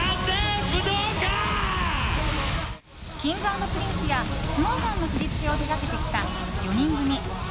Ｋｉｎｇ＆ＰｒｉｎｃｅやＳｎｏｗＭａｎの振り付けを手掛けてきた４人組ｓ＊＊